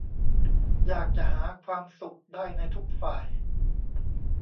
ยากจะหาความสุขได้ในทุกฝ่าย